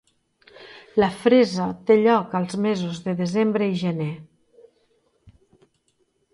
La fresa té lloc als mesos de desembre i gener.